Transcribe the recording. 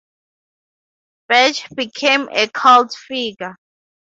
Bach became a cult figure.